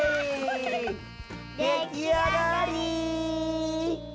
できあがり！